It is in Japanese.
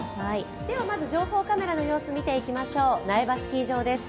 では、情報カメラの様子見ていきましょう、苗場スキー場です。